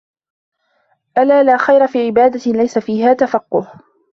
أَلَا لَا خَيْرَ فِي عِبَادَةٍ لَيْسَ فِيهَا تَفَقُّهٌ